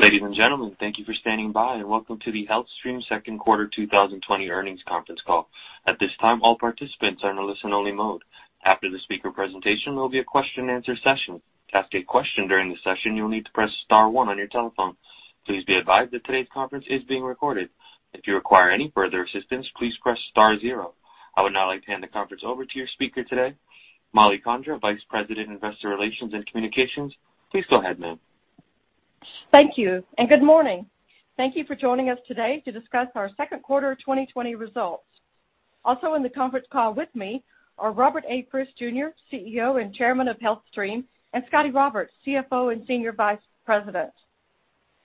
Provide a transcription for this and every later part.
Ladies and gentlemen, thank you for standing by and welcome to the HealthStream Second Quarter 2020 Earnings Conference Call. At this time, all participants are in listen only mode. After the speaker presentation, there will be a question and answer session. To ask a question during the session, you'll need to press star one on your telephone. Please be advised that today's conference is being recorded. If you require any further assistance, please press star zero. I would now like to hand the conference over to your speaker today, Mollie Condra, Vice President, Investor Relations and Communications. Please go ahead, ma'am. Thank you, and good morning. Thank you for joining us today to discuss our second quarter 2020 results. Also in the conference call with me are Robert A. Frist Jr., CEO and Chairman of HealthStream, and Scotty Roberts, CFO and Senior Vice President.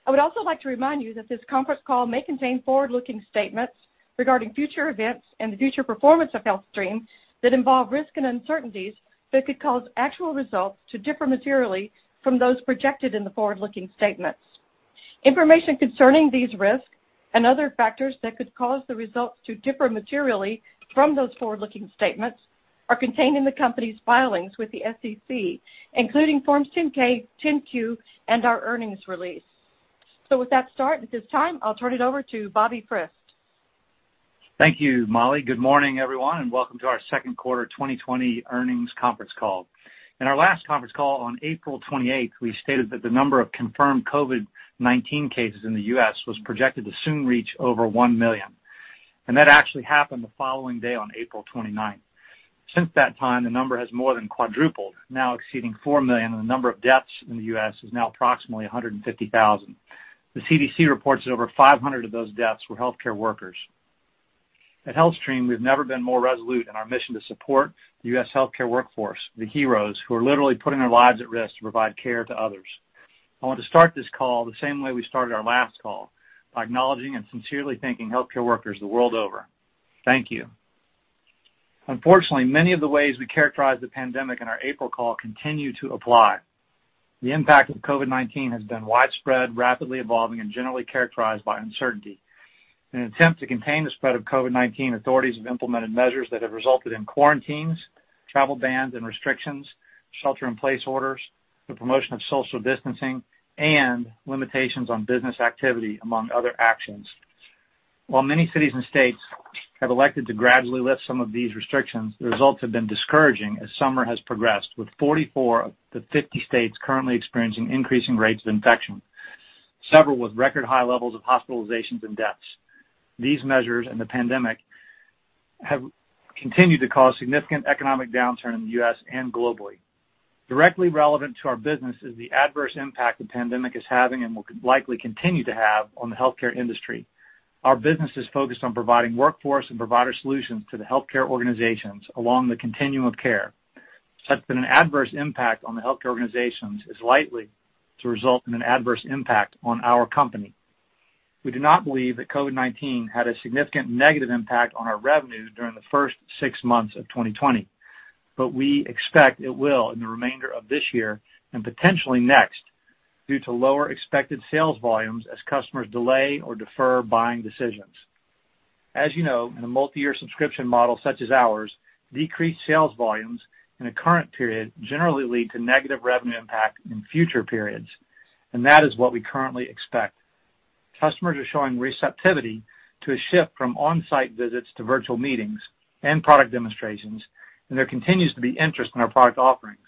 I would also like to remind you that this conference call may contain forward-looking statements regarding future events and the future performance of HealthStream that involve risk and uncertainties that could cause actual results to differ materially from those projected in the forward-looking statements. Information concerning these risks and other factors that could cause the results to differ materially from those forward-looking statements are contained in the company's filings with the SEC, including Forms 10-K, 10-Q, and our earnings release. With that start, at this time, I'll turn it over to Bobby Frist. Thank you, Mollie. Good morning, everyone. Welcome to our second quarter 2020 earnings conference call. In our last conference call on April 28th, we stated that the number of confirmed COVID-19 cases in the U.S. was projected to soon reach over one million. That actually happened the following day on April 29th. Since that time, the number has more than quadrupled, now exceeding four million, and the number of deaths in the U.S. is now approximately 150,000. The CDC reports that over 500 of those deaths were healthcare workers. At HealthStream, we've never been more resolute in our mission to support the U.S. healthcare workforce, the heroes who are literally putting their lives at risk to provide care to others. I want to start this call the same way we started our last call, by acknowledging and sincerely thanking healthcare workers the world over. Thank you. Unfortunately, many of the ways we characterize the pandemic in our April call continue to apply. The impact of COVID-19 has been widespread, rapidly evolving, and generally characterized by uncertainty. In an attempt to contain the spread of COVID-19, authorities have implemented measures that have resulted in quarantines, travel bans and restrictions, shelter in place orders, the promotion of social distancing, and limitations on business activity, among other actions. While many cities and states have elected to gradually lift some of these restrictions, the results have been discouraging as summer has progressed, with 44 of the 50 states currently experiencing increasing rates of infection, several with record high levels of hospitalizations and deaths. These measures and the pandemic have continued to cause significant economic downturn in the U.S. and globally. Directly relevant to our business is the adverse impact the pandemic is having, and will likely continue to have, on the healthcare industry. Our business is focused on providing Workforce Solutions and Provider Solutions to the healthcare organizations along the continuum of care, such that an adverse impact on the healthcare organizations is likely to result in an adverse impact on our company. We do not believe that COVID-19 had a significant negative impact on our revenue during the first six months of 2020, but we expect it will in the remainder of this year, and potentially next, due to lower expected sales volumes as customers delay or defer buying decisions. As you know, in a multi-year subscription model such as ours, decreased sales volumes in the current period generally lead to negative revenue impact in future periods, and that is what we currently expect. Customers are showing receptivity to a shift from on-site visits to virtual meetings and product demonstrations, and there continues to be interest in our product offerings.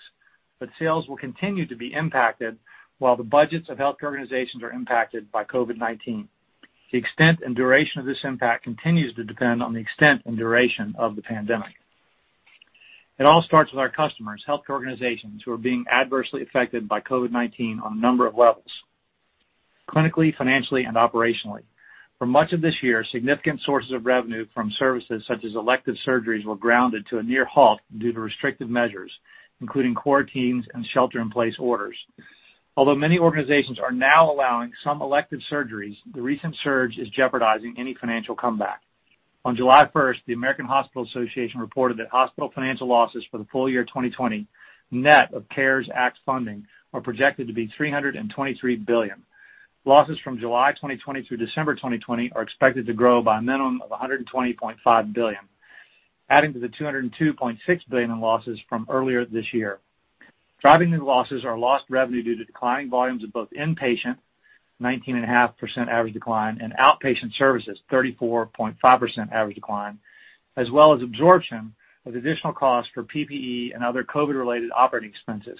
Sales will continue to be impacted while the budgets of healthcare organizations are impacted by COVID-19. The extent and duration of this impact continues to depend on the extent and duration of the pandemic. It all starts with our customers, healthcare organizations, who are being adversely affected by COVID-19 on a number of levels, clinically, financially, and operationally. For much of this year, significant sources of revenue from services such as elective surgeries were grounded to a near halt due to restrictive measures, including quarantines and shelter in place orders. Although many organizations are now allowing some elective surgeries, the recent surge is jeopardizing any financial comeback. On July 1st, the American Hospital Association reported that hospital financial losses for the full year 2020, net of CARES Act funding, are projected to be $323 billion. Losses from July 2020 through December 2020 are expected to grow by a minimum of $120.5 billion, adding to the $202.6 billion in losses from earlier this year. Driving these losses are lost revenue due to declining volumes of both inpatient, 19.5% average decline, and outpatient services, 34.5% average decline, as well as absorption of additional costs for PPE and other COVID-related operating expenses.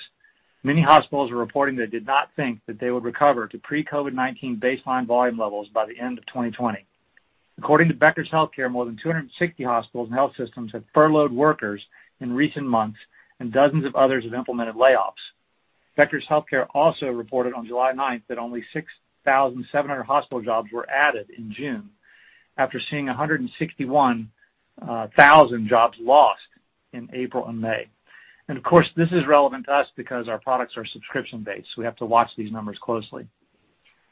Many hospitals are reporting they did not think that they would recover to pre-COVID-19 baseline volume levels by the end of 2020. According to Becker's Healthcare, more than 260 hospitals and health systems have furloughed workers in recent months, and dozens of others have implemented layoffs. Becker's Healthcare also reported on July 9th that only 6,700 hospital jobs were added in June, after seeing 161,000 jobs lost in April and May. Of course, this is relevant to us because our products are subscription-based, so we have to watch these numbers closely.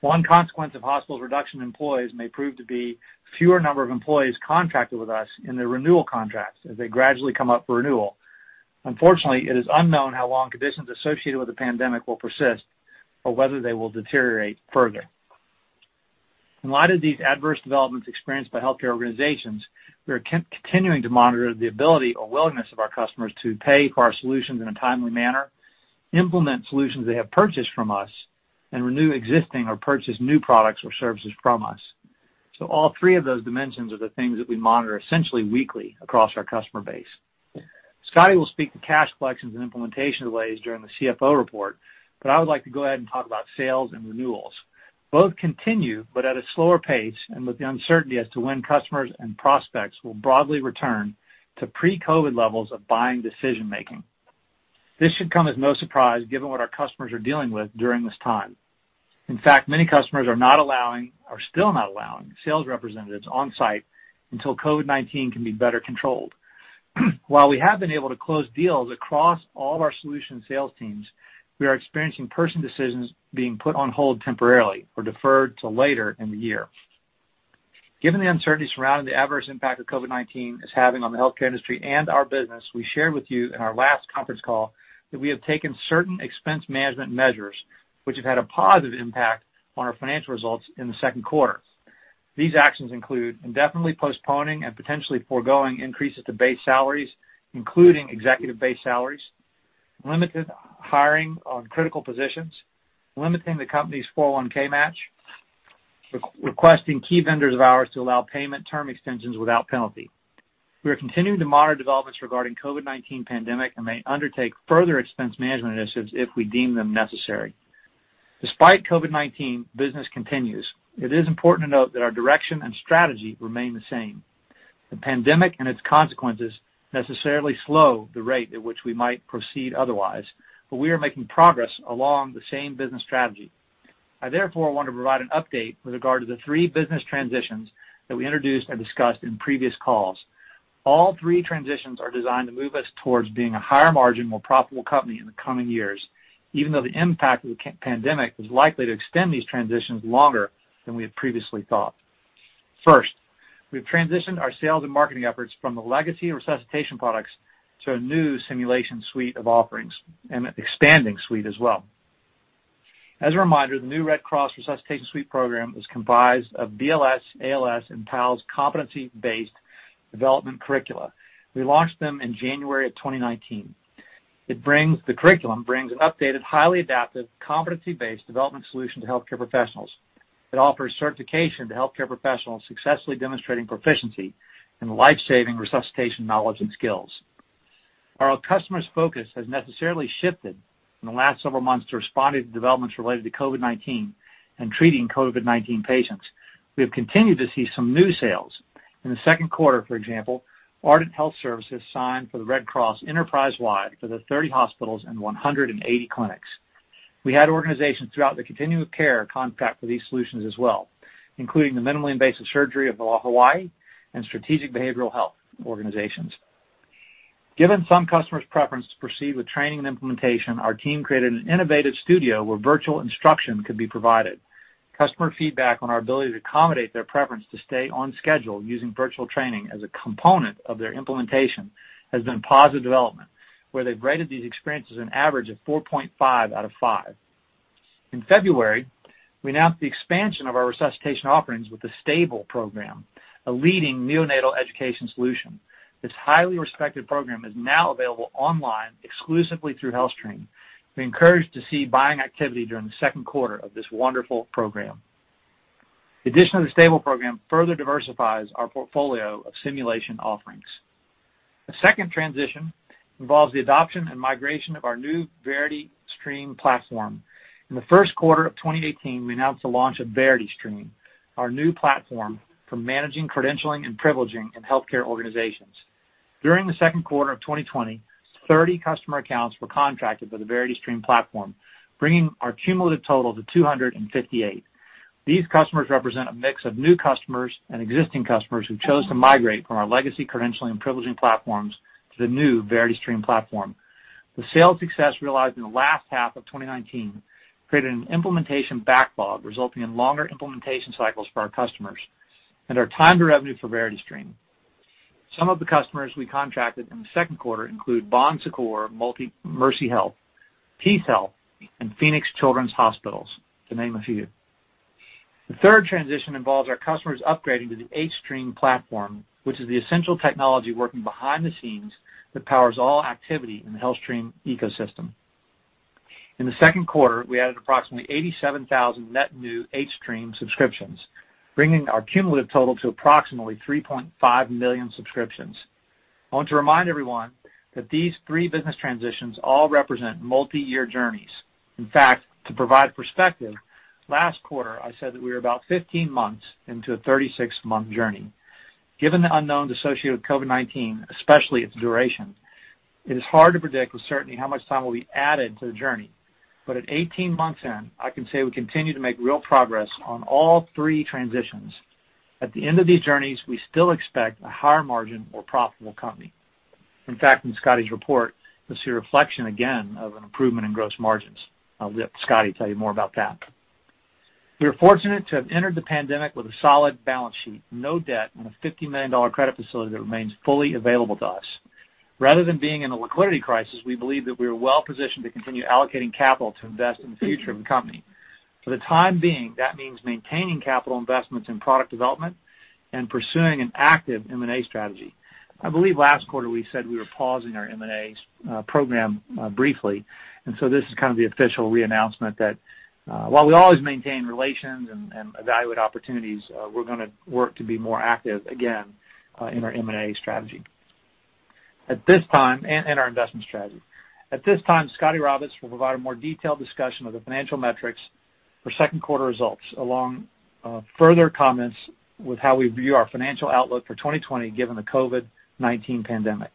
One consequence of hospitals' reduction in employees may prove to be fewer number of employees contracted with us in their renewal contracts as they gradually come up for renewal. Unfortunately, it is unknown how long conditions associated with the pandemic will persist or whether they will deteriorate further. In light of these adverse developments experienced by healthcare organizations, we are continuing to monitor the ability or willingness of our customers to pay for our solutions in a timely manner, implement solutions they have purchased from us, and renew existing or purchase new products or services from us. All three of those dimensions are the things that we monitor essentially weekly across our customer base. Scotty will speak to cash collections and implementation delays during the CFO report, I would like to go ahead and talk about sales and renewals. Both continue, at a slower pace, with the uncertainty as to when customers and prospects will broadly return to pre-COVID levels of buying decision-making. This should come as no surprise given what our customers are dealing with during this time. Many customers are not allowing or still not allowing sales representatives on site until COVID-19 can be better controlled. We have been able to close deals across all of our solution sales teams, we are experiencing purchase decisions being put on hold temporarily or deferred to later in the year. Given the uncertainty surrounding the adverse impact that COVID-19 is having on the healthcare industry and our business, we shared with you in our last conference call that we have taken certain expense management measures which have had a positive impact on our financial results in the second quarter. These actions include indefinitely postponing and potentially foregoing increases to base salaries, including executive base salaries, limited hiring on critical positions, limiting the company's 401 match, requesting key vendors of ours to allow payment term extensions without penalty. We are continuing to monitor developments regarding COVID-19 pandemic and may undertake further expense management initiatives if we deem them necessary. Despite COVID-19, business continues. It is important to note that our direction and strategy remain the same. The pandemic and its consequences necessarily slow the rate at which we might proceed otherwise, but we are making progress along the same business strategy. I therefore want to provide an update with regard to the three business transitions that we introduced and discussed in previous calls. All three transitions are designed to move us towards being a higher margin, more profitable company in the coming years, even though the impact of the pandemic is likely to extend these transitions longer than we had previously thought. First, we've transitioned our sales and marketing efforts from the legacy resuscitation products to a new simulation suite of offerings and an expanding suite as well. As a reminder, the new Red Cross Resuscitation Suite program is comprised of BLS, ALS, and PALS competency-based development curricula. We launched them in January of 2019. The curriculum brings an updated, highly adaptive, competency-based development solution to healthcare professionals. It offers certification to healthcare professionals successfully demonstrating proficiency in life-saving resuscitation knowledge and skills. Our customer's focus has necessarily shifted in the last several months to responding to developments related to COVID-19 and treating COVID-19 patients. We have continued to see some new sales. In the second quarter, for example, Ardent Health Services signed for the Red Cross enterprise-wide for their 30 hospitals and 180 clinics. We had organizations throughout the continuum of care contract for these solutions as well, including the Minimally Invasive Surgery of Hawaii and Strategic Behavioral Health organizations. Given some customers' preference to proceed with training and implementation, our team created an innovative studio where virtual instruction could be provided. Customer feedback on our ability to accommodate their preference to stay on schedule using virtual training as a component of their implementation has been a positive development, where they've rated these experiences an average of four point five out of five. In February, we announced the expansion of our resuscitation offerings with the S.T.A.B.L.E. program, a leading neonatal education solution. This highly respected program is now available online exclusively through HealthStream. We were encouraged to see buying activity during the second quarter of this wonderful program. The addition of the S.T.A.B.L.E. program further diversifies our portfolio of simulation offerings. The second transition involves the adoption and migration of our new VerityStream platform. In the first quarter of 2018, we announced the launch of VerityStream, our new platform for managing credentialing and privileging in healthcare organizations. During the second quarter of 2020, 30 customer accounts were contracted for the VerityStream platform, bringing our cumulative total to 258. These customers represent a mix of new customers and existing customers who chose to migrate from our legacy credentialing and privileging platforms to the new VerityStream platform. The sales success realized in the last half of 2019 created an implementation backlog, resulting in longer implementation cycles for our customers and our time to revenue for VerityStream. Some of the customers we contracted in the second quarter include Bon Secours Mercy Health, PeaceHealth, and Phoenix Children's Hospital, to name a few. The third transition involves our customers upgrading to the hStream platform, which is the essential technology working behind the scenes that powers all activity in the HealthStream ecosystem. In the second quarter, we added approximately 87,000 net new hStream subscriptions, bringing our cumulative total to approximately 3.5 million subscriptions. I want to remind everyone that these three business transitions all represent multi-year journeys. In fact, to provide perspective, last quarter, I said that we were about 15 months into a 36-month journey. Given the unknowns associated with COVID-19, especially its duration, it is hard to predict with certainty how much time will be added to the journey. At 18 months in, I can say we continue to make real progress on all three transitions. At the end of these journeys, we still expect a higher margin, more profitable company. In fact, in Scotty's report, you'll see a reflection again of an improvement in gross margins. I'll let Scotty tell you more about that. We are fortunate to have entered the pandemic with a solid balance sheet, no debt, and a $50 million credit facility that remains fully available to us. Rather than being in a liquidity crisis, we believe that we are well-positioned to continue allocating capital to invest in the future of the company. For the time being, that means maintaining capital investments in product development and pursuing an active M&A strategy. I believe last quarter we said we were pausing our M&A program briefly, and so this is kind of the official re-announcement that while we always maintain relations and evaluate opportunities, we're going to work to be more active again in our M&A strategy and our investment strategy. At this time, Scotty Roberts will provide a more detailed discussion of the financial metrics for second quarter results, along with further comments with how we view our financial outlook for 2020 given the COVID-19 pandemic.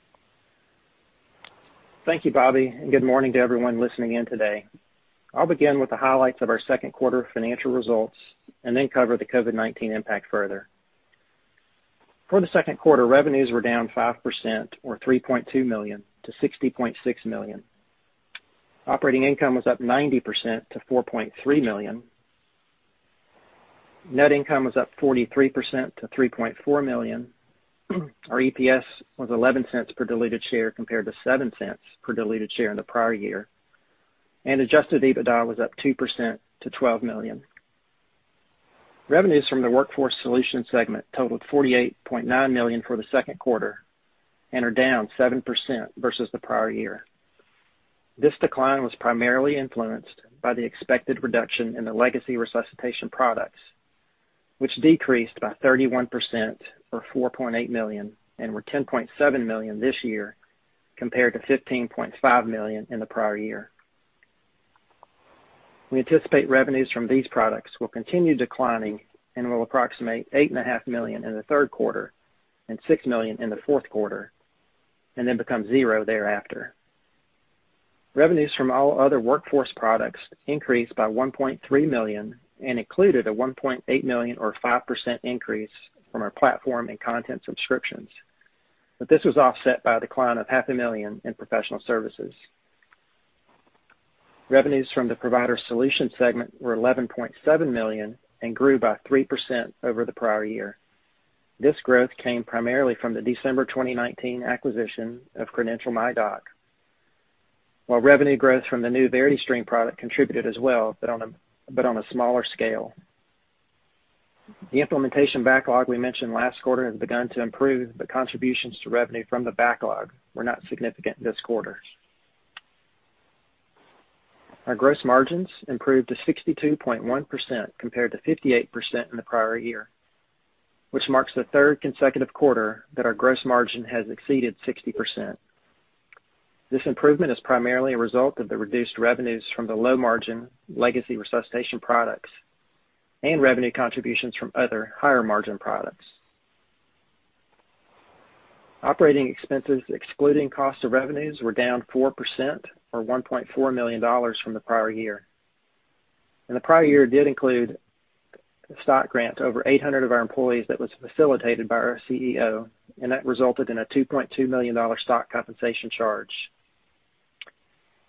Thank you, Bobby. Good morning to everyone listening in today. I'll begin with the highlights of our second quarter financial results and then cover the COVID-19 impact further. For the second quarter, revenues were down 5%, or $3.2 million, to $60.6 million. Operating income was up 90% to $4.3 million. Net income was up 43% to $3.4 million. Our EPS was $0.11 per diluted share compared to $0.07 per diluted share in the prior year. Adjusted EBITDA was up 2% to $12 million. Revenues from the Workforce Solutions segment totaled $48.9 million for the second quarter and are down 7% versus the prior year. This decline was primarily influenced by the expected reduction in the legacy resuscitation products, which decreased by 31%, or $4.8 million, and were $10.7 million this year compared to $15.5 million in the prior year. We anticipate revenues from these products will continue declining and will approximate eight and a half million in the third quarter and $6 million in the fourth quarter, and then become zero thereafter. Revenues from all other workforce products increased by $1.3 million and included a $1.8 million, or 5% increase, from our platform and content subscriptions. This was offset by a decline of half a million in professional services. Revenues from the Provider Solutions segment were $11.7 million and grew by 3% over the prior year. This growth came primarily from the December 2019 acquisition of CredentialMyDoc, while revenue growth from the new VerityStream product contributed as well, but on a smaller scale. The implementation backlog we mentioned last quarter has begun to improve, but contributions to revenue from the backlog were not significant this quarter. Our gross margins improved to 62.1% compared to 58% in the prior year, which marks the third consecutive quarter that our gross margin has exceeded 60%. This improvement is primarily a result of the reduced revenues from the low-margin legacy resuscitation products and revenue contributions from other higher-margin products. Operating expenses excluding costs of revenues were down 4% or 41.4 million from the prior year. The prior year did include a stock grant to over 800 of our employees that was facilitated by our CEO, and that resulted in a $2.2 million stock compensation charge.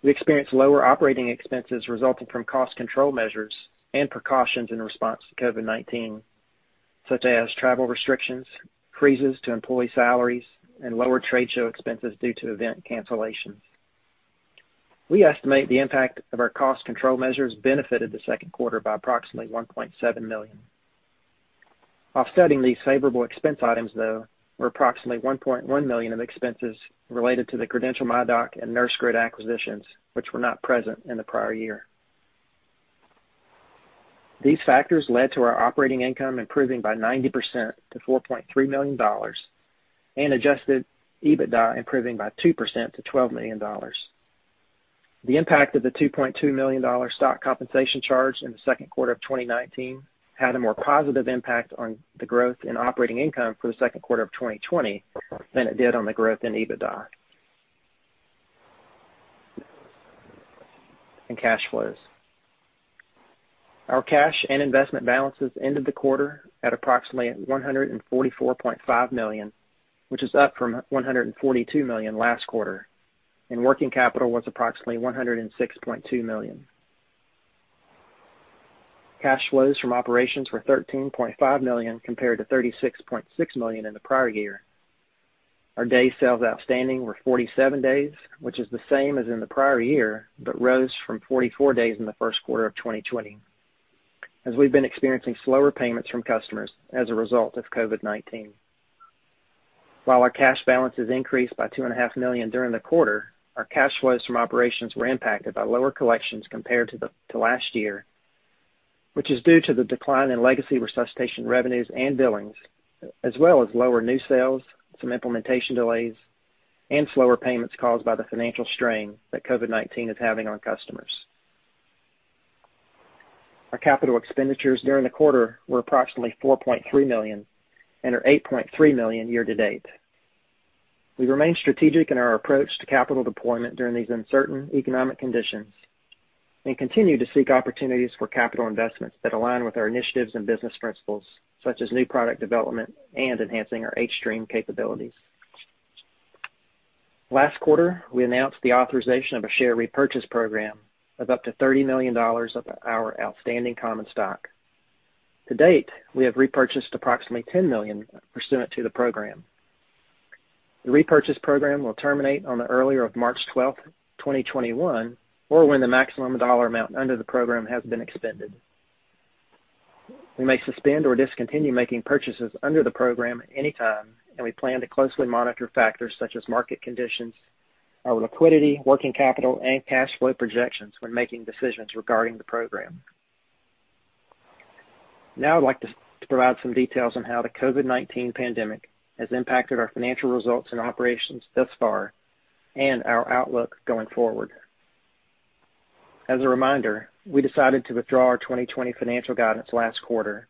We experienced lower operating expenses resulting from cost control measures and precautions in response to COVID-19, such as travel restrictions, freezes to employee salaries, and lower trade show expenses due to event cancellations. We estimate the impact of our cost control measures benefited the second quarter by approximately $1.7 million. Offsetting these favorable expense items, though, were approximately $1.1 million of expenses related to the CredentialMyDoc and Nursegrid acquisitions, which were not present in the prior year. These factors led to our operating income improving by 90% to $4.3 million and adjusted EBITDA improving by 2% to $12 million. The impact of the $2.2 million stock compensation charge in the second quarter of 2019 had a more positive impact on the growth in operating income for the second quarter of 2020 than it did on the growth in EBITDA. Cash flows. Our cash and investment balances ended the quarter at approximately $144.5 million, which is up from $142 million last quarter, and working capital was approximately $106.2 million. Cash flows from operations were $13.5 million, compared to $36.6 million in the prior year. Our day sales outstanding were 47 days, which is the same as in the prior year, rose from 44 days in the first quarter of 2020 as we've been experiencing slower payments from customers as a result of COVID-19. While our cash balances increased by $2.5 million during the quarter, our cash flows from operations were impacted by lower collections compared to last year, which is due to the decline in legacy resuscitation revenues and billings, as well as lower new sales, some implementation delays, and slower payments caused by the financial strain that COVID-19 is having on customers. Our capital expenditures during the quarter were approximately $4.3 million and are $8.3 million year-to-date. We remain strategic in our approach to capital deployment during these uncertain economic conditions and continue to seek opportunities for capital investments that align with our initiatives and business principles, such as new product development and enhancing our hStream capabilities. Last quarter, we announced the authorization of a share repurchase program of up to $30 million of our outstanding common stock. To date, we have repurchased approximately $10 million pursuant to the program. The repurchase program will terminate on the earlier of March 12th, 2021, or when the maximum dollar amount under the program has been expended. We may suspend or discontinue making purchases under the program at any time. We plan to closely monitor factors such as market conditions, our liquidity, working capital, and cash flow projections when making decisions regarding the program. Now I'd like to provide some details on how the COVID-19 pandemic has impacted our financial results and operations thus far, and our outlook going forward. As a reminder, we decided to withdraw our 2020 financial guidance last quarter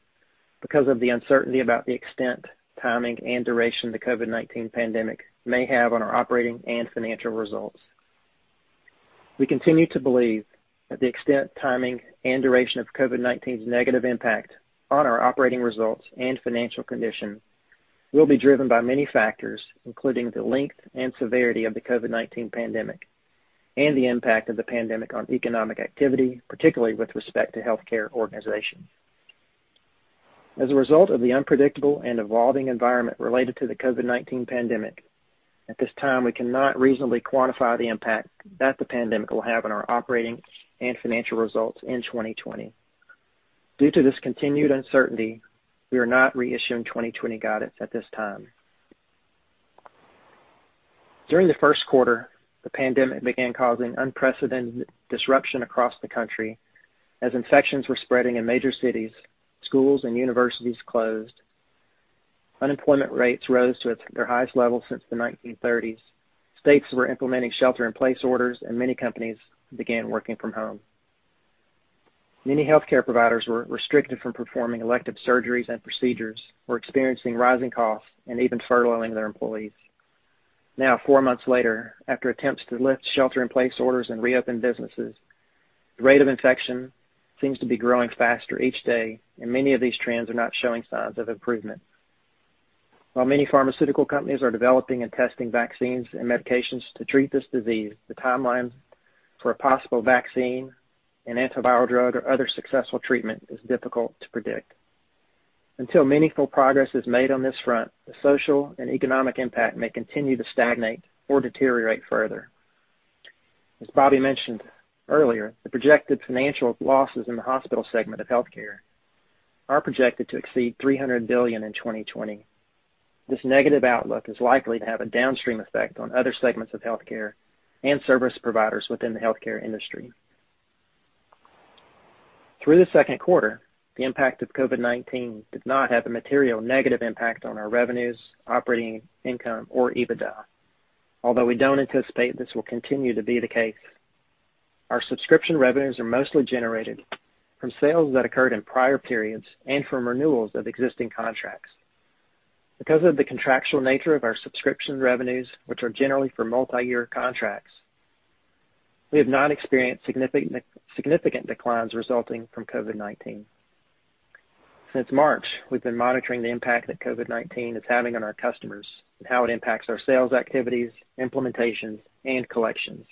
because of the uncertainty about the extent, timing, and duration the COVID-19 pandemic may have on our operating and financial results. We continue to believe that the extent, timing, and duration of COVID-19's negative impact on our operating results and financial condition will be driven by many factors, including the length and severity of the COVID-19 pandemic and the impact of the pandemic on economic activity, particularly with respect to healthcare organizations. As a result of the unpredictable and evolving environment related to the COVID-19 pandemic, at this time, we cannot reasonably quantify the impact that the pandemic will have on our operating and financial results in 2020. Due to this continued uncertainty, we are not reissuing 2020 guidance at this time. During the first quarter, the pandemic began causing unprecedented disruption across the country as infections were spreading in major cities, schools and universities closed, unemployment rates rose to their highest level since the 1930s, states were implementing shelter-in-place orders, and many companies began working from home. Many healthcare providers were restricted from performing elective surgeries and procedures, were experiencing rising costs, and even furloughing their employees. Now, four months later, after attempts to lift shelter-in-place orders and reopen businesses, the rate of infection seems to be growing faster each day, and many of these trends are not showing signs of improvement. While many pharmaceutical companies are developing and testing vaccines and medications to treat this disease, the timeline for a possible vaccine, an antiviral drug, or other successful treatment is difficult to predict. Until meaningful progress is made on this front, the social and economic impact may continue to stagnate or deteriorate further. As Bobby mentioned earlier, the projected financial losses in the hospital segment of healthcare are projected to exceed $300 billion in 2020. This negative outlook is likely to have a downstream effect on other segments of healthcare and service providers within the healthcare industry. Through the second quarter, the impact of COVID-19 did not have a material negative impact on our revenues, operating income or EBITDA. Although we don't anticipate this will continue to be the case, our subscription revenues are mostly generated from sales that occurred in prior periods and from renewals of existing contracts. Because of the contractual nature of our subscription revenues, which are generally for multi-year contracts, we have not experienced significant declines resulting from COVID-19. Since March, we've been monitoring the impact that COVID-19 is having on our customers and how it impacts our sales activities, implementations, and collections.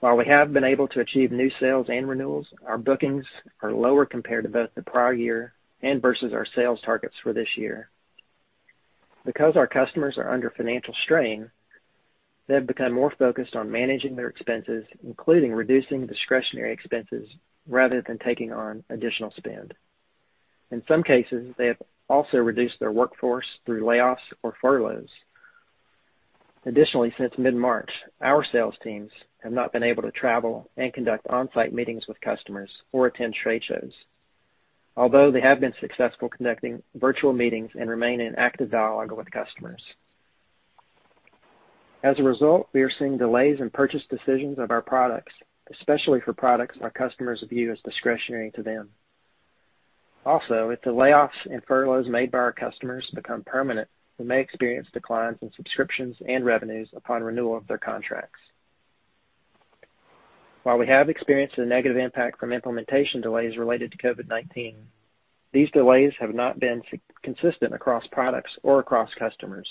While we have been able to achieve new sales and renewals, our bookings are lower compared to both the prior year and versus our sales targets for this year. Because our customers are under financial strain, they have become more focused on managing their expenses, including reducing discretionary expenses rather than taking on additional spend. In some cases, they have also reduced their workforce through layoffs or furloughs. Additionally, since mid-March, our sales teams have not been able to travel and conduct on-site meetings with customers or attend trade shows. Although they have been successful conducting virtual meetings and remain in active dialogue with customers. As a result, we are seeing delays in purchase decisions of our products, especially for products our customers view as discretionary to them. If the layoffs and furloughs made by our customers become permanent, we may experience declines in subscriptions and revenues upon renewal of their contracts. While we have experienced a negative impact from implementation delays related to COVID-19, these delays have not been consistent across products or across customers.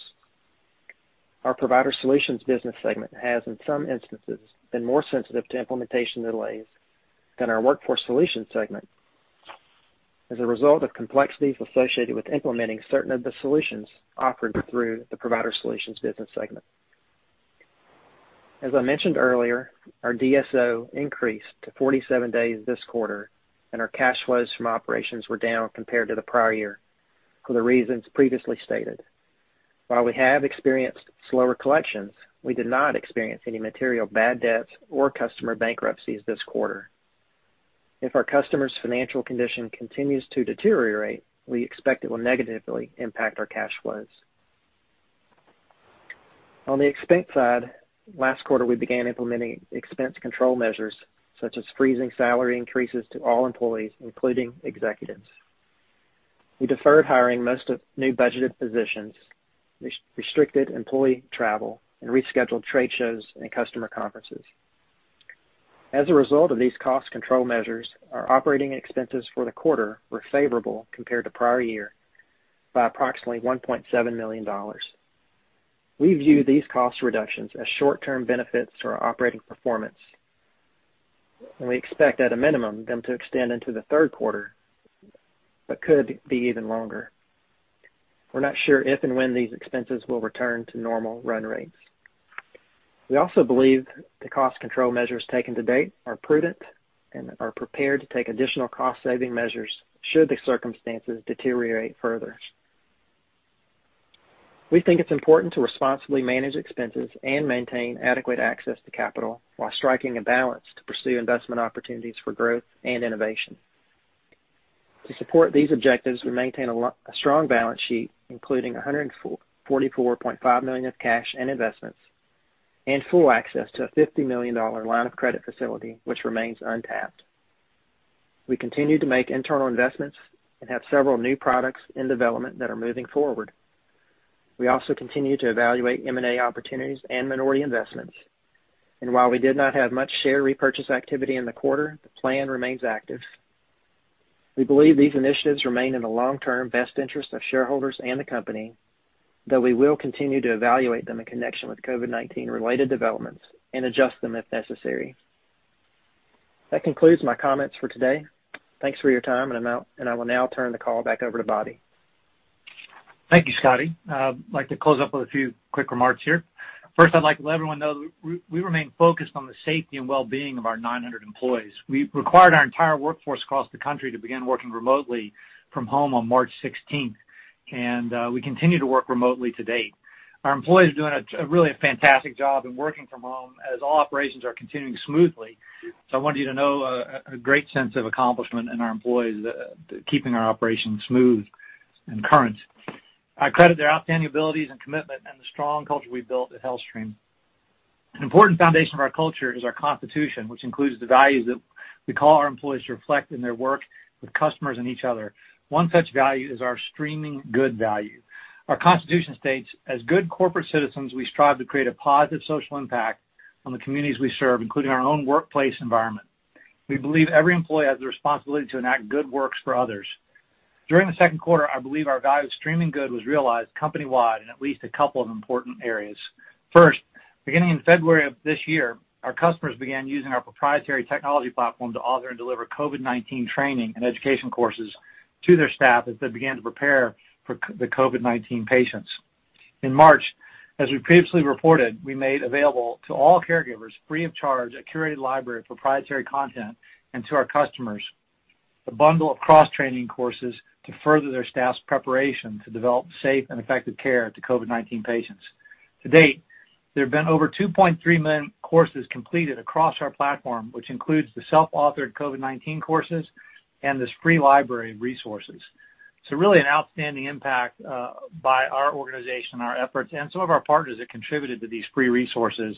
Our Provider Solutions business segment has, in some instances, been more sensitive to implementation delays than our Workforce Solutions segment as a result of complexities associated with implementing certain of the solutions offered through the Provider Solutions business segment. As I mentioned earlier, our DSO increased to 47 days this quarter, and our cash flows from operations were down compared to the prior year for the reasons previously stated. While we have experienced slower collections, we did not experience any material bad debts or customer bankruptcies this quarter. If our customers' financial condition continues to deteriorate, we expect it will negatively impact our cash flows. On the expense side, last quarter, we began implementing expense control measures such as freezing salary increases to all employees, including executives. We deferred hiring most of new budgeted positions, restricted employee travel, and rescheduled trade shows and customer conferences. As a result of these cost control measures, our operating expenses for the quarter were favorable compared to prior year by approximately $1.7 million. We view these cost reductions as short-term benefits to our operating performance. We expect at a minimum, them to extend into the third quarter, but could be even longer. We're not sure if and when these expenses will return to normal run rates. We also believe the cost control measures taken to date are prudent and are prepared to take additional cost-saving measures should the circumstances deteriorate further. We think it's important to responsibly manage expenses and maintain adequate access to capital while striking a balance to pursue investment opportunities for growth and innovation. To support these objectives, we maintain a strong balance sheet, including $144.5 million of cash and investments, and full access to a $50 million line of credit facility, which remains untapped. We continue to make internal investments and have several new products in development that are moving forward. We also continue to evaluate M&A opportunities and minority investments. While we did not have much share repurchase activity in the quarter, the plan remains active. We believe these initiatives remain in the long-term best interest of shareholders and the company, though we will continue to evaluate them in connection with COVID-19 related developments and adjust them if necessary. That concludes my comments for today. Thanks for your time, and I will now turn the call back over to Bobby. Thank you, Scotty. I'd like to close up with a few quick remarks here. First, I'd like to let everyone know we remain focused on the safety and wellbeing of our 900 employees. We required our entire workforce across the country to begin working remotely from home on March 16th, and we continue to work remotely to date. Our employees are doing a really fantastic job in working from home as all operations are continuing smoothly. I want you to know a great sense of accomplishment in our employees, keeping our operations smooth and current. I credit their outstanding abilities and commitment and the strong culture we've built at HealthStream. An important foundation of our culture is our constitution, which includes the values that we call our employees to reflect in their work with customers and each other. One such value is our Streaming Good Value. Our constitution states, "As good corporate citizens, we strive to create a positive social impact on the communities we serve, including our own workplace environment. We believe every employee has a responsibility to enact good works for others." During the second quarter, I believe our value of streaming good was realized company-wide in at least a couple of important areas. First, beginning in February of this year, our customers began using our proprietary technology platform to author and deliver COVID-19 training and education courses to their staff as they began to prepare for the COVID-19 patients. In March, as we previously reported, we made available to all caregivers, free of charge, a curated library of proprietary content, and to our customers, a bundle of cross-training courses to further their staff's preparation to develop safe and effective care to COVID-19 patients. To date, there have been over 2.3 million courses completed across our platform, which includes the self-authored COVID-19 courses and this free library of resources. Really an outstanding impact by our organization, our efforts, and some of our partners that contributed to these free resources.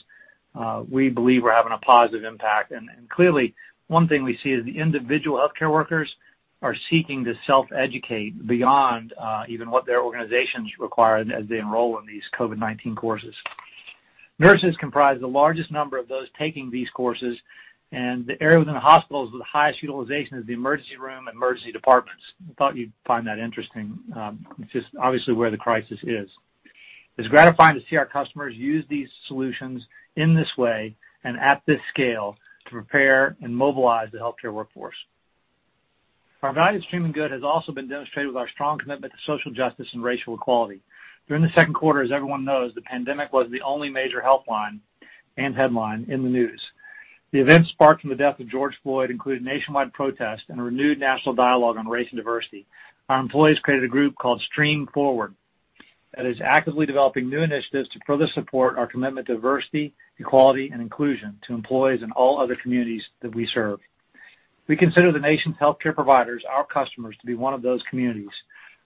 We believe we're having a positive impact. Clearly, one thing we see is the individual healthcare workers are seeking to self-educate beyond, even what their organizations require as they enroll in these COVID-19 courses. Nurses comprise the largest number of those taking these courses, and the area within the hospitals with the highest utilization is the emergency room and emergency departments. Thought you'd find that interesting. It's just obviously where the crisis is. It's gratifying to see our customers use these solutions in this way and at this scale to prepare and mobilize the healthcare workforce. Our value streaming good has also been demonstrated with our strong commitment to social justice and racial equality. During the second quarter, as everyone knows, the pandemic was the only major health line and headline in the news. The events sparked from the death of George Floyd included nationwide protests and a renewed national dialogue on race and diversity. Our employees created a group called Stream Forward that is actively developing new initiatives to further support our commitment to diversity, equality, and inclusion to employees and all other communities that we serve. We consider the nation's healthcare providers, our customers, to be one of those communities.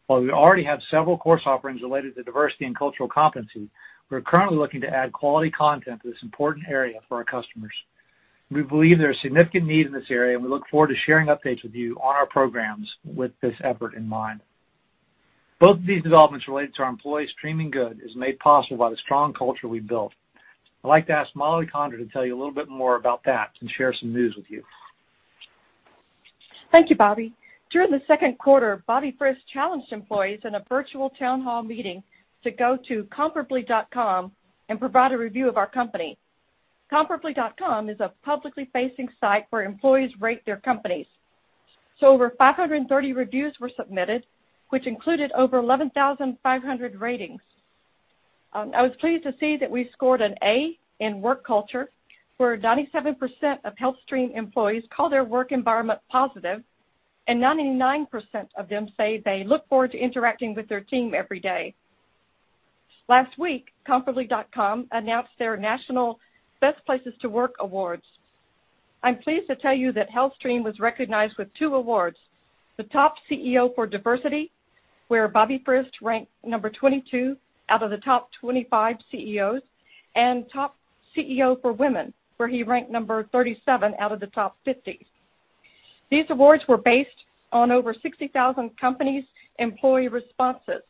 While we already have several course offerings related to diversity and cultural competency, we're currently looking to add quality content to this important area for our customers. We believe there is significant need in this area. We look forward to sharing updates with you on our programs with this effort in mind. Both of these developments related to our employees' Stream Forward is made possible by the strong culture we built. I'd like to ask Mollie Condra to tell you a little bit more about that and share some news with you. Thank you, Bobby. During the second quarter, Bobby Frist challenged employees in a virtual town hall meeting to go to comparably.com and provide a review of our company. Comparably.com is a publicly facing site where employees rate their companies. Over 530 reviews were submitted, which included over 11,500 ratings. I was pleased to see that we scored an A in work culture, where 97% of HealthStream employees call their work environment positive, and 99% of them say they look forward to interacting with their team every day. Last week, comparably.com announced their national Best Places to Work awards. I'm pleased to tell you that HealthStream was recognized with two awards, the top CEO for diversity, where Bobby Frist ranked number 22 out of the top 25 CEOs, and top CEO for women, where he ranked number 37 out of the top 50. These awards were based on over 60,000 companies' employee responses.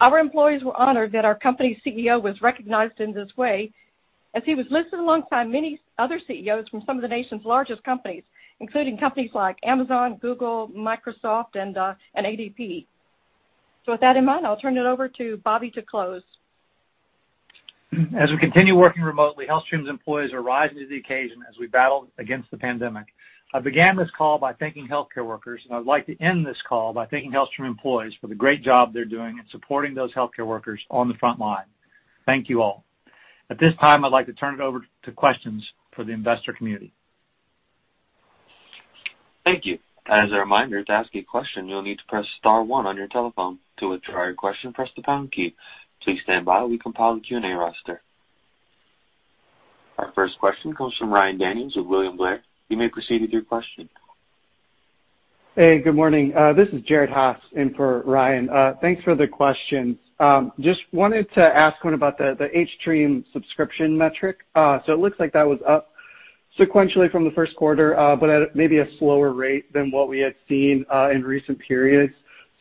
Our employees were honored that our company CEO was recognized in this way. As he was listed alongside many other CEOs from some of the nation's largest companies, including companies like Amazon, Google, Microsoft, and ADP. With that in mind, I'll turn it over to Bobby to close. As we continue working remotely, HealthStream's employees are rising to the occasion as we battle against the pandemic. I began this call by thanking healthcare workers, and I'd like to end this call by thanking HealthStream employees for the great job they're doing in supporting those healthcare workers on the front line. Thank you all. At this time, I'd like to turn it over to questions for the investor community. Thank you. As a reminder, to ask a question, you will need to press star one on your telephone. To withdraw your question, press the pound key. Please stand by while we compile the Q&A roster. Our first question comes from Ryan Daniels of William Blair. You may proceed with your question. Hey, good morning. This is Jared Haase in for Ryan. Thanks for the question. Just wanted to ask one about the hStream subscription metric. It looks like that was up sequentially from the first quarter, but at maybe a slower rate than what we had seen in recent periods.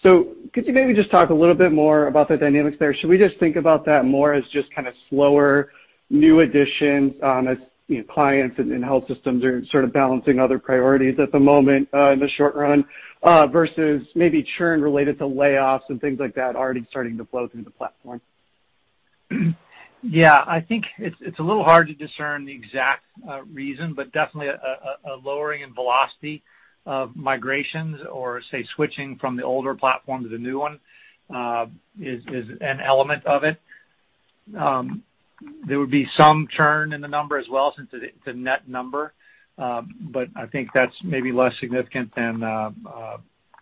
Could you maybe just talk a little bit more about the dynamics there? Should we just think about that more as just kind of slower new additions as clients and health systems are sort of balancing other priorities at the moment in the short run versus maybe churn related to layoffs and things like that already starting to flow through the platform? Yeah. I think it's a little hard to discern the exact reason, but definitely a lowering in velocity of migrations, or say switching from the older platform to the new one, is an element of it. There would be some churn in the number as well since it's a net number. I think that's maybe less significant than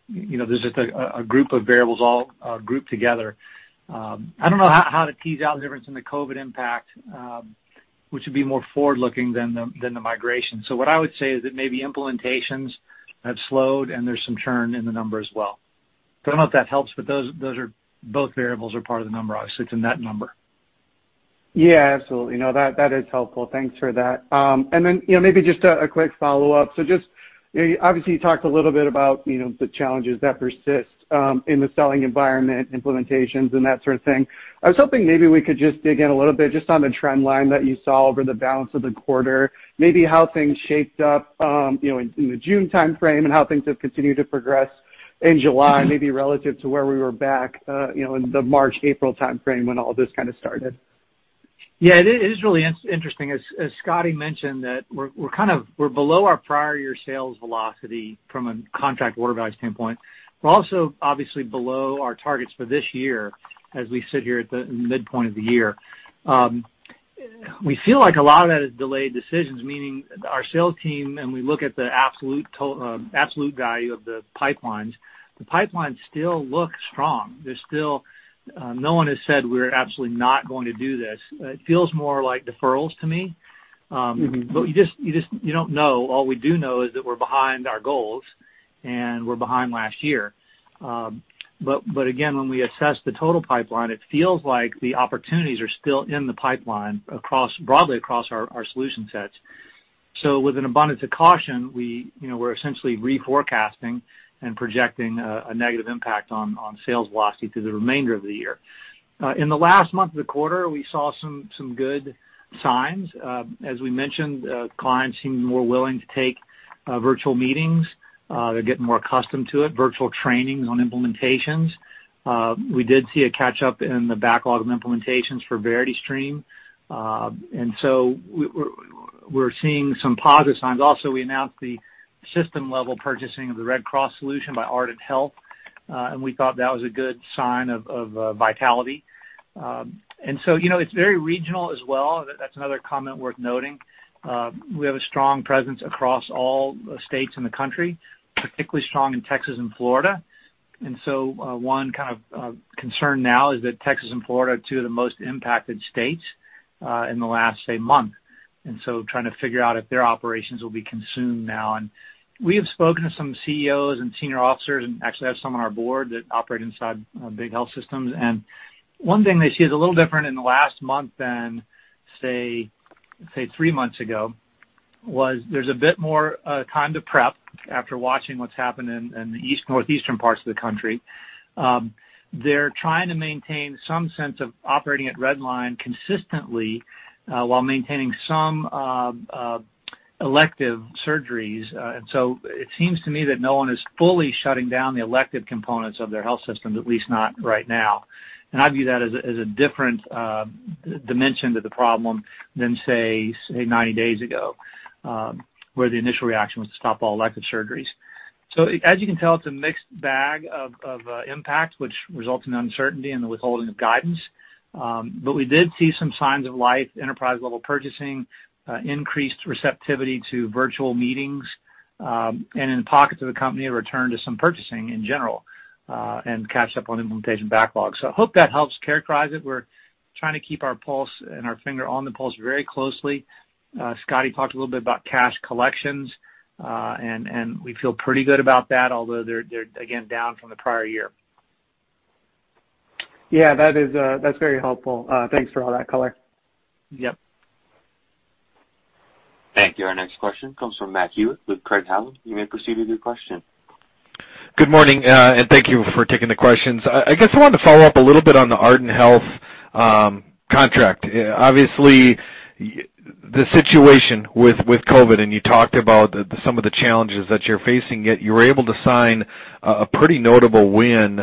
there's just a group of variables all grouped together. I don't know how to tease out the difference in the COVID impact, which would be more forward-looking than the migration. What I would say is that maybe implementations have slowed and there's some churn in the number as well. I don't know if that helps, but both variables are part of the number, obviously. It's a net number. Yeah, absolutely. No, that is helpful. Thanks for that. Maybe just a quick follow-up. Obviously you talked a little bit about the challenges that persist in the selling environment, implementations and that sort of thing. I was hoping maybe we could just dig in a little bit just on the trend line that you saw over the balance of the quarter. Maybe how things shaped up in the June timeframe and how things have continued to progress in July, maybe relative to where we were back in the March, April timeframe when all this kind of started. Yeah, it is really interesting, as Scotty mentioned, that we're below our prior year sales velocity from a contract order value standpoint. We're also obviously below our targets for this year as we sit here at the midpoint of the year. We feel like a lot of that is delayed decisions, meaning our sales team, and we look at the absolute value of the pipelines. The pipelines still look strong. No one has said we're absolutely not going to do this. It feels more like deferrals to me. You don't know. All we do know is that we're behind our goals and we're behind last year. Again, when we assess the total pipeline, it feels like the opportunities are still in the pipeline broadly across our solution sets. With an abundance of caution, we're essentially reforecasting and projecting a negative impact on sales velocity through the remainder of the year. In the last month of the quarter, we saw some good signs. As we mentioned, clients seem more willing to take virtual meetings. They're getting more accustomed to it, virtual trainings on implementations. We did see a catch up in the backlog of implementations for VerityStream. We're seeing some positive signs. Also, we announced the system level purchasing of the Red Cross solution by Ardent Health, and we thought that was a good sign of vitality. It's very regional as well. That's another comment worth noting. We have a strong presence across all states in the country, particularly strong in Texas and Florida. One kind of concern now is that Texas and Florida are two of the most impacted states in the last, say, month. Trying to figure out if their operations will be consumed now. We have spoken to some CEOs and senior officers, and actually have some on our board that operate inside big health systems. One thing they see is a little different in the last month than, say, three months ago, was there's a bit more time to prep after watching what's happened in the northeastern parts of the country. They're trying to maintain some sense of operating at red line consistently while maintaining some elective surgeries. It seems to me that no one is fully shutting down the elective components of their health systems, at least not right now. I view that as a different dimension to the problem than, say, 90 days ago, where the initial reaction was to stop all elective surgeries. As you can tell, it's a mixed bag of impact which results in uncertainty and the withholding of guidance. We did see some signs of life, enterprise level purchasing, increased receptivity to virtual meetings, and in pockets of the company, a return to some purchasing in general and catch up on implementation backlog. I hope that helps characterize it. We're trying to keep our pulse and our finger on the pulse very closely. Scotty talked a little bit about cash collections, and we feel pretty good about that, although they're again, down from the prior year. Yeah, that's very helpful. Thanks for all that color. Yep. Thank you. Our next question comes from Matt Hewitt with Craig-Hallum. You may proceed with your question. Good morning, and thank you for taking the questions. I wanted to follow up a little bit on the Ardent Health contract. Obviously, the situation with COVID. You talked about some of the challenges that you're facing. You were able to sign a pretty notable win.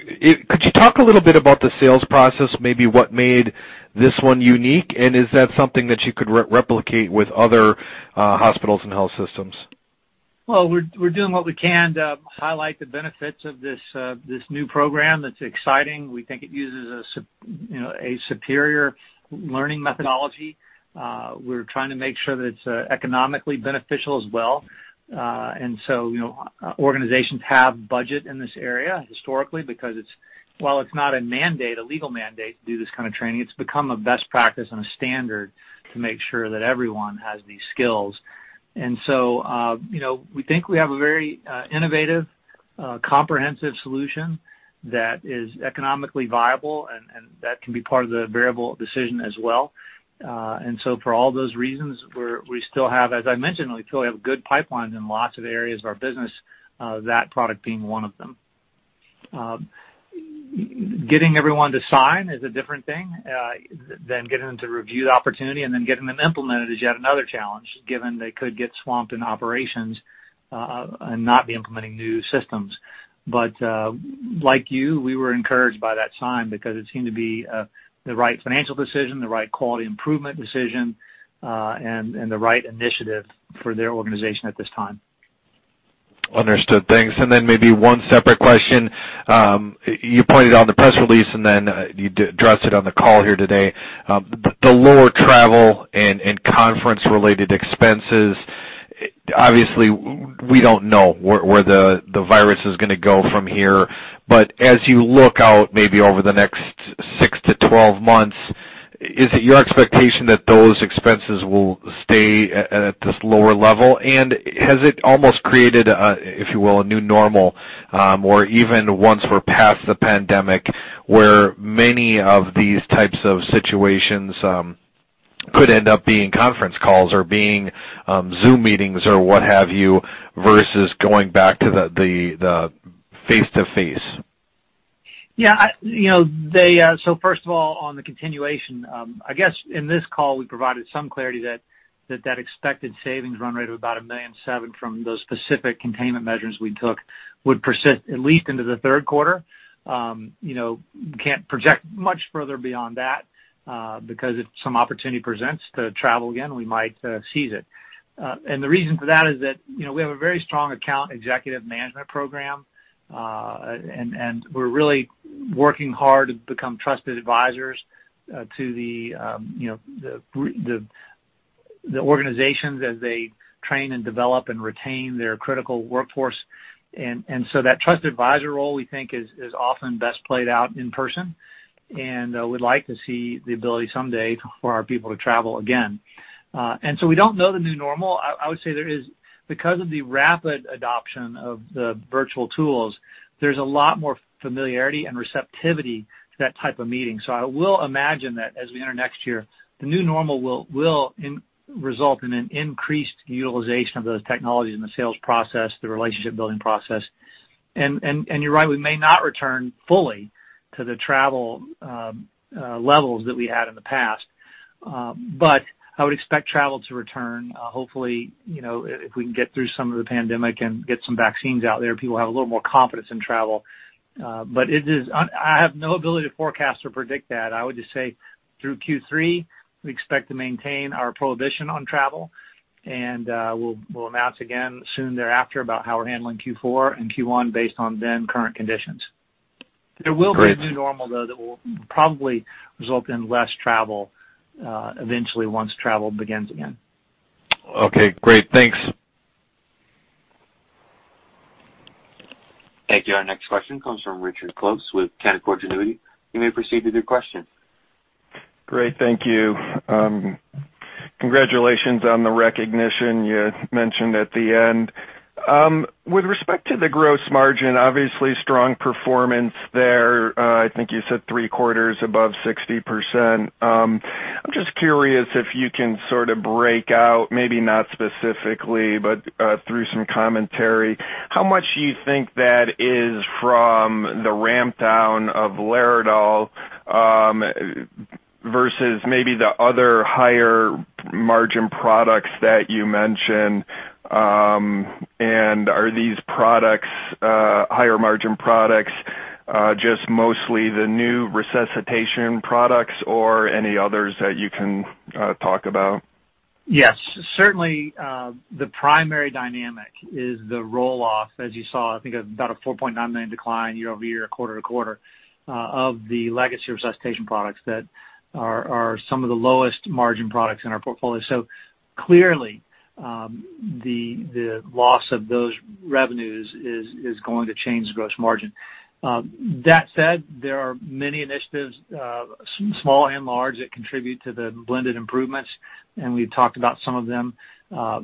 Could you talk a little bit about the sales process, maybe what made this one unique. Is that something that you could replicate with other hospitals and health systems? Well, we're doing what we can to highlight the benefits of this new program that's exciting. We think it uses a superior learning methodology. We're trying to make sure that it's economically beneficial as well. Organizations have budget in this area historically because while it's not a legal mandate to do this kind of training, it's become a best practice and a standard to make sure that everyone has these skills. We think we have a very innovative, comprehensive solution that is economically viable, and that can be part of the variable decision as well. For all those reasons, we still have, as I mentioned, we still have good pipelines in lots of areas of our business, that product being one of them. Getting everyone to sign is a different thing than getting them to review the opportunity, and then getting them implemented is yet another challenge, given they could get swamped in operations and not be implementing new systems. Like you, we were encouraged by that sign because it seemed to be the right financial decision, the right quality improvement decision, and the right initiative for their organization at this time. Understood. Thanks. Maybe one separate question. You pointed out in the press release, you addressed it on the call here today, the lower travel and conference-related expenses. Obviously, we don't know where the virus is going to go from here. As you look out maybe over the next 6-12 months, is it your expectation that those expenses will stay at this lower level? Has it almost created, if you will, a new normal? Even once we're past the pandemic, where many of these types of situations could end up being conference calls or being Zoom meetings or what have you, versus going back to the face-to-face? Yeah. First of all, on the continuation, I guess in this call, we provided some clarity that expected savings run rate of about $1.7 million from those specific containment measures we took would persist at least into the third quarter. Can't project much further beyond that, because if some opportunity presents to travel again, we might seize it. The reason for that is that we have a very strong account executive management program, and we're really working hard to become trusted advisors to the organizations as they train and develop and retain their critical workforce. That trusted advisor role, we think, is often best played out in person. We'd like to see the ability someday for our people to travel again. We don't know the new normal. I would say because of the rapid adoption of the virtual tools, there's a lot more familiarity and receptivity to that type of meeting. I will imagine that as we enter next year, the new normal will result in an increased utilization of those technologies in the sales process, the relationship-building process. You're right, we may not return fully to the travel levels that we had in the past. I would expect travel to return. Hopefully, if we can get through some of the pandemic and get some vaccines out there, people will have a little more confidence in travel. I have no ability to forecast or predict that. I would just say through Q3, we expect to maintain our prohibition on travel, and we'll announce again soon thereafter about how we're handling Q4 and Q1 based on then current conditions. Great. There will be a new normal, though, that will probably result in less travel eventually once travel begins again. Okay, great. Thanks. Thank you. Our next question comes from Richard Close with Canaccord Genuity. You may proceed with your question. Great. Thank you. Congratulations on the recognition you mentioned at the end. With respect to the gross margin, obviously strong performance there. I think you said three quarters above 60%. I'm just curious if you can sort of break out, maybe not specifically, but through some commentary, how much do you think that is from the ramp down of Laerdal versus maybe the other higher-margin products that you mentioned? Are these higher-margin products just mostly the new resuscitation products or any others that you can talk about? Yes. Certainly, the primary dynamic is the roll-off, as you saw, I think about a $4.9 million decline year-over-year, quarter-to-quarter, of the legacy resuscitation products that are some of the lowest margin products in our portfolio. Clearly, the loss of those revenues is going to change the gross margin. That said, there are many initiatives, small and large, that contribute to the blended improvements, and we've talked about some of them. A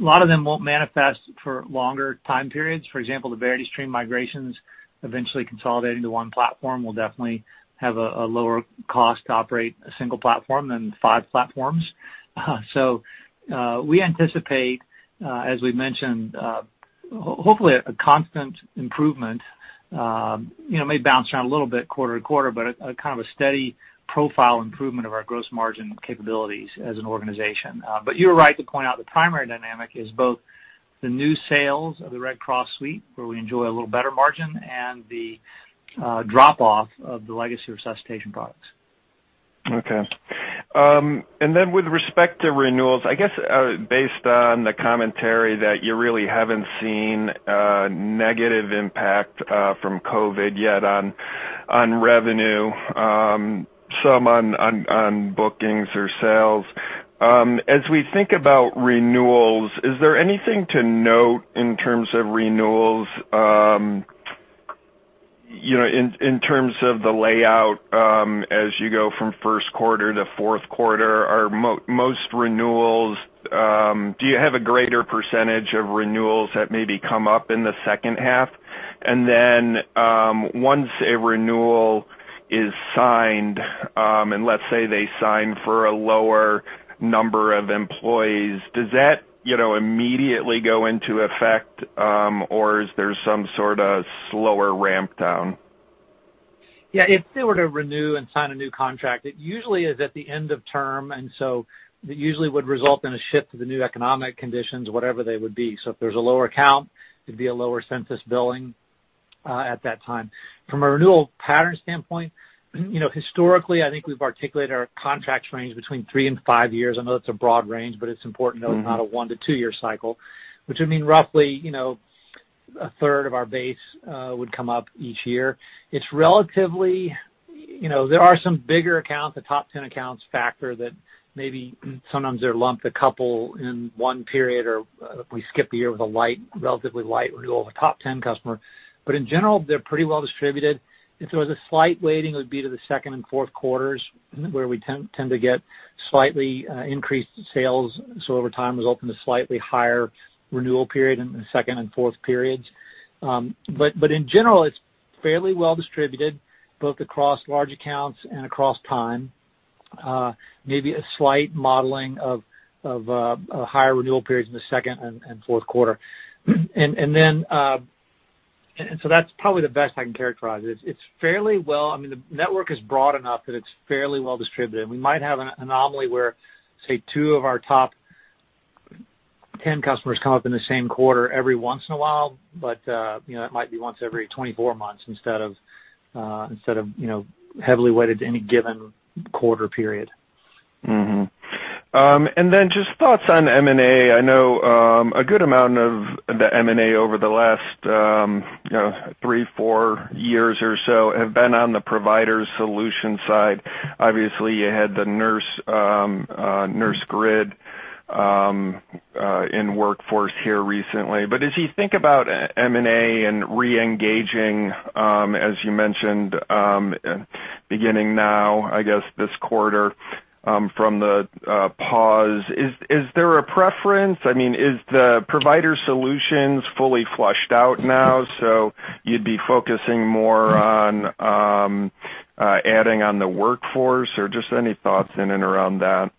lot of them won't manifest for longer time periods. For example, the VerityStream migrations eventually consolidating to one platform will definitely have a lower cost to operate a single platform than five platforms. We anticipate, as we've mentioned hopefully a constant improvement. It may bounce around a little bit quarter-to-quarter, but a kind of steady profile improvement of our gross margin capabilities as an organization. You're right to point out the primary dynamic is both the new sales of the Red Cross suite, where we enjoy a little better margin, and the drop-off of the legacy resuscitation products. Okay. With respect to renewals, I guess, based on the commentary that you really haven't seen a negative impact from COVID yet on revenue, some on bookings or sales. We think about renewals, is there anything to note in terms of renewals, in terms of the layout as you go from first quarter to fourth quarter? Most renewals, do you have a greater percentage of renewals that maybe come up in the second half? Once a renewal is signed, and let's say they sign for a lower number of employees, does that immediately go into effect, or is there some sort of slower ramp down? Yeah. If they were to renew and sign a new contract, it usually is at the end of term, it usually would result in a shift to the new economic conditions, whatever they would be. If there's a lower count, it'd be a lower census billing at that time. From a renewal pattern standpoint, historically, I think we've articulated our contracts range between three and five years. I know that's a broad range, but it's important to know it's not a one-to-two-year cycle, which would mean roughly a third of our base would come up each year. There are some bigger accounts, the top 10 accounts factor that maybe sometimes they're lumped a couple in one period, or if we skip a year with a relatively light renewal of a top 10 customer. In general, they're pretty well distributed. If there was a slight weighting, it would be to the second and fourth quarters, where we tend to get slightly increased sales. Over time, it was open to slightly higher renewal period in the second and fourth periods. In general, it's fairly well distributed, both across large accounts and across time. Maybe a slight modeling of higher renewal periods in the second and fourth quarter. That's probably the best I can characterize it. The network is broad enough that it's fairly well distributed. We might have an anomaly where, say, two of our top 10 customers come up in the same quarter every once in a while, but that might be once every 24 months instead of heavily weighted to any given quarter period. Just thoughts on M&A. I know a good amount of the M&A over the last three, four years or so have been on the Provider Solutions side. Obviously, you had the Nursegrid in Workforce here recently. As you think about M&A and re-engaging, as you mentioned, beginning now, I guess this quarter from the pause, is there a preference? Is the Provider Solutions fully flushed out now, so you'd be focusing more on adding on the Workforce? Just any thoughts in and around that?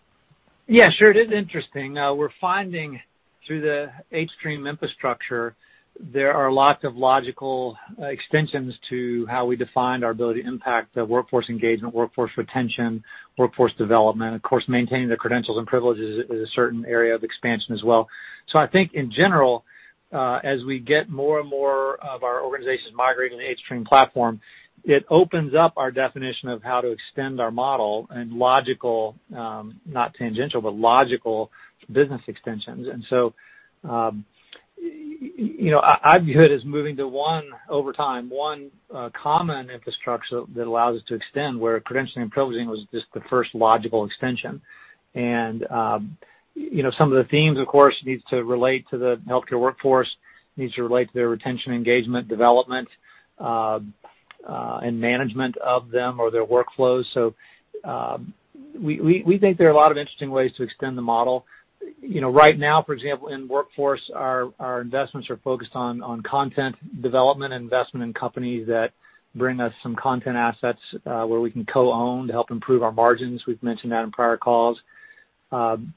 Yeah, sure. It is interesting. We're finding through the hStream infrastructure, there are lots of logical extensions to how we defined our ability to impact the workforce engagement, workforce retention, workforce development. Of course, maintaining the credentials and privileges is a certain area of expansion as well. I think in general, as we get more and more of our organizations migrating to the hStream platform, it opens up our definition of how to extend our model and logical, not tangential, but logical business extensions. I view it as moving to one, over time, one common infrastructure that allows us to extend, where credentialing and privileging was just the first logical extension. Some of the themes, of course, needs to relate to the healthcare workforce, needs to relate to their retention, engagement, development, and management of them or their workflows. We think there are a lot of interesting ways to extend the model. Right now, for example, in Workforce, our investments are focused on content development and investment in companies that bring us some content assets where we can co-own to help improve our margins. We've mentioned that in prior calls. In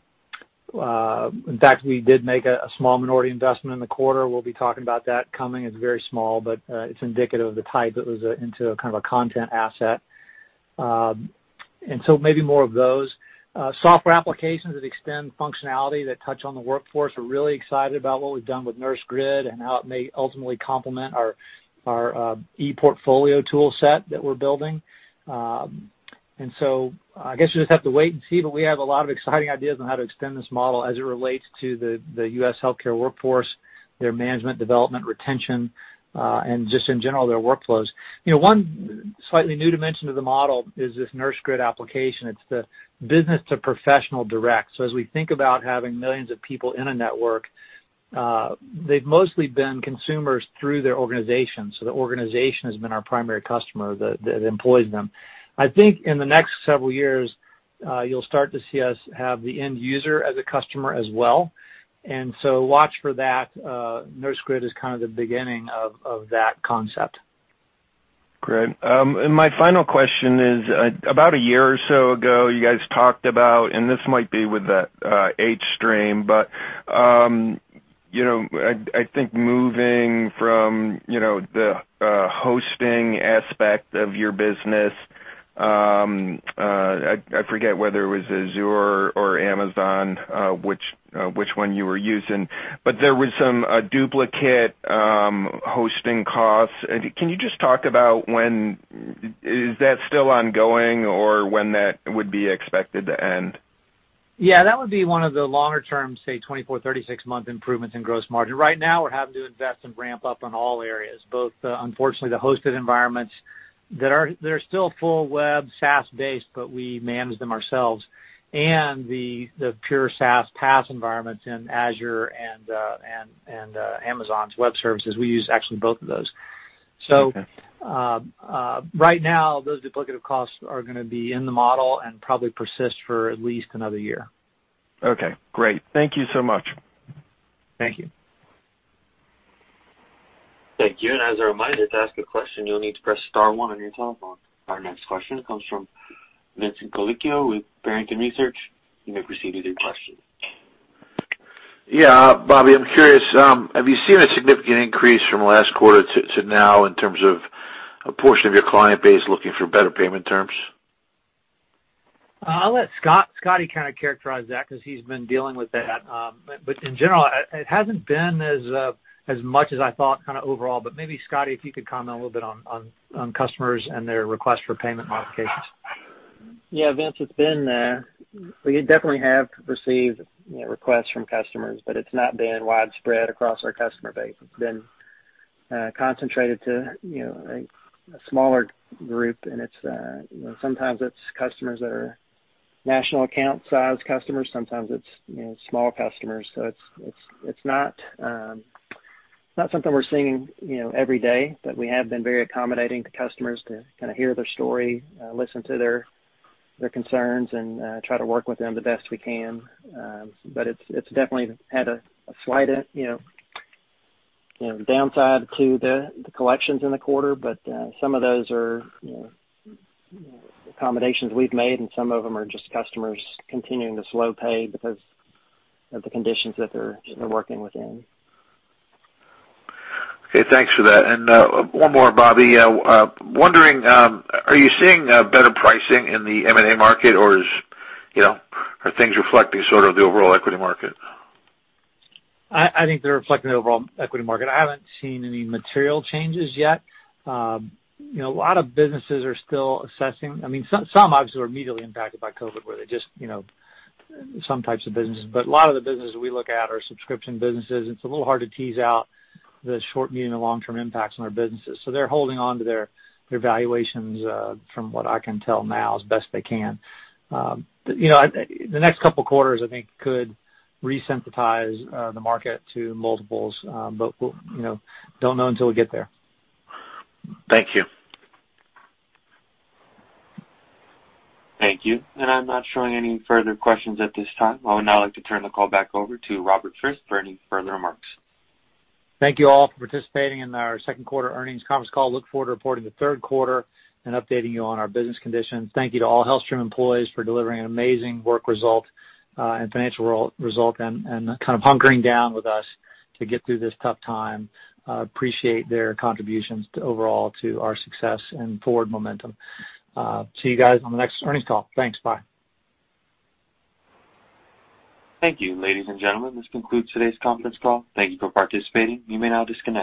fact, we did make a small minority investment in the quarter. We'll be talking about that coming. It's very small, but it's indicative of the type. It was into a kind of a content asset. Maybe more of those. Software applications that extend functionality that touch on the Workforce. We're really excited about what we've done with Nursegrid and how it may ultimately complement our e-portfolio tool set that we're building. I guess you just have to wait and see, but we have a lot of exciting ideas on how to extend this model as it relates to the U.S. healthcare workforce, their management development, retention, and just in general, their workflows. One slightly new dimension to the model is this Nursegrid application. It's the business to professional direct. As we think about having millions of people in a network, they've mostly been consumers through their organization. The organization has been our primary customer that employs them. I think in the next several years, you'll start to see us have the end user as a customer as well. Watch for that. Nursegrid is kind of the beginning of that concept. Great. My final question is, about a year or so ago, you guys talked about, and this might be with the hStream, but I think moving from the hosting aspect of your business. I forget whether it was Azure or Amazon, which one you were using. There was some duplicate hosting costs. Can you just talk about? Is that still ongoing or when that would be expected to end? Yeah, that would be one of the longer-term, say, 24, 36 month improvements in gross margin. Right now we're having to invest and ramp up on all areas, both unfortunately the hosted environments that are still full web SaaS based, but we manage them ourselves and the pure SaaS PaaS environments in Azure and Amazon Web Services. We use actually both of those. Right now those duplicative costs are going to be in the model and probably persist for at least another year. Okay, great. Thank you so much. Thank you. Thank you. As a reminder, to ask a question, you'll need to press star one on your telephone. Our next question comes from Vincent Colicchio with Barrington Research. You may proceed with your question. Yeah. Bobby, I'm curious, have you seen a significant increase from last quarter to now in terms of a portion of your client base looking for better payment terms? I'll let Scotty kind of characterize that because he's been dealing with that. In general, it hasn't been as much as I thought kind of overall. Maybe Scotty, if you could comment a little bit on customers and their request for payment modifications. Yeah. Vince, it's been there. We definitely have received requests from customers, it's not been widespread across our customer base. It's been concentrated to a smaller group and sometimes it's customers that are national account size customers. Sometimes it's smaller customers. It's not something we're seeing every day. We have been very accommodating to customers to kind of hear their story, listen to their concerns and try to work with them the best we can. It's definitely had a slight downside to the collections in the quarter. Some of those are accommodations we've made and some of them are just customers continuing to slow pay because of the conditions that they're working within. Okay, thanks for that. One more, Bobby. Wondering, are you seeing better pricing in the M&A market or are things reflecting sort of the overall equity market? I think they're reflecting the overall equity market. I haven't seen any material changes yet. A lot of businesses are still assessing. Some obviously were immediately impacted by COVID-19, some types of businesses. A lot of the businesses we look at are subscription businesses. It's a little hard to tease out the short, medium, and long-term impacts on their businesses. They're holding on to their valuations, from what I can tell now, as best they can. The next couple of quarters I think could resynthesize the market to multiples. We don't know until we get there. Thank you. Thank you. I'm not showing any further questions at this time. I would now like to turn the call back over to Robert Frist for any further remarks. Thank you all for participating in our second quarter earnings conference call. Look forward to reporting the third quarter and updating you on our business conditions. Thank you to all HealthStream employees for delivering an amazing work result and financial result and kind of hunkering down with us to get through this tough time. Appreciate their contributions overall to our success and forward momentum. See you guys on the next earnings call. Thanks. Bye. Thank you. Ladies and gentlemen, this concludes today's conference call. Thank you for participating. You may now disconnect.